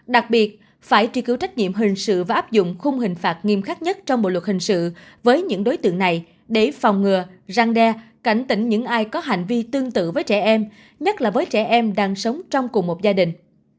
đặc biệt phải truy cứu trách nhiệm hình sự và áp dụng khung hình phạt nghiêm khắc nhất trong bộ luật hình sự với những đối tượng này để phòng ngừa răng đe cảnh tỉnh những ai có hành vi tương tự với trẻ em nhất là với trẻ em đang sống trong cùng một gia đình